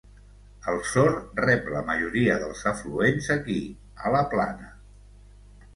El Sor rep la majoria dels afluents aquí, a la plana.